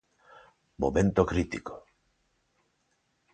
Momento crítico.